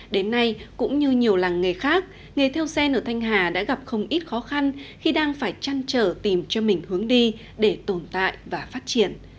đến nay cũng như nhiều làng nghề khác nghề theo gen ở thanh hà đã gặp không ít khó khăn khi đang phải chăn trở tìm cho mình hướng đi để tồn tại và phát triển